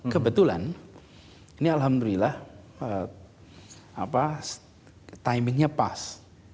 kebetulan ini alhamdulillah timingnya pas